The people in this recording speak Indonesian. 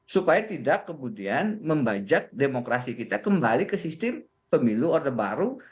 supaya tidak kemudian membajak demokrasi kita kembali ke sistem pemilu order baru